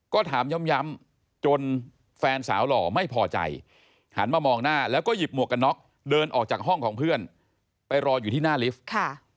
ก็ถามย้ำจนแฟนสาวหล่อไม่พอใจหันมามองหน้าแล้วก็หยิบหมวกกันน็อกเดินออกจากห้องของเพื่อนไปรออยู่ที่หน้าลิฟต์ค่ะ